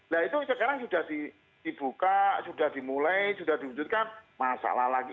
nah itu sekarang sudah dibuka sudah dimulai sudah diwujudkan masalah lagi